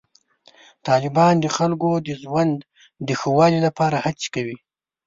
طالبان د خلکو د ژوند د ښه والي لپاره هڅې کوي.